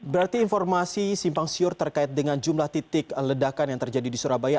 berarti informasi simpang siur terkait dengan jumlah titik ledakan yang terjadi di surabaya